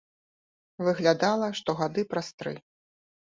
Выглядала, што гады праз тры.